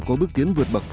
có bước tiến vượt bậc